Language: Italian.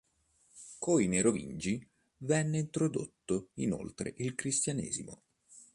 Con i Merovingi venne introdotto inoltre il cristianesimo.